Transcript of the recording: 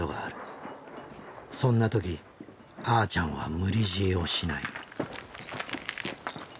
そんな時あーちゃんは無理強いをしない。